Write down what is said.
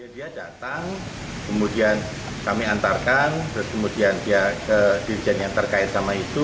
dia datang kemudian kami antarkan terus kemudian dia ke dirjen yang terkait sama itu